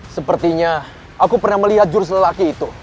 sepertinya aku pernah melihat jurus lelaki itu